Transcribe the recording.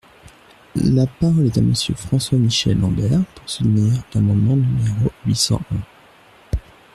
La parole est à Monsieur François-Michel Lambert, pour soutenir l’amendement numéro huit cent un.